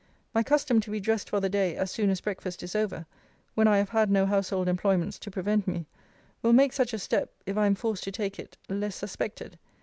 My custom to be dressed for the day, as soon as breakfast is over, when I have had no household employments to prevent me, will make such a step (if I am forced to take it) less suspected.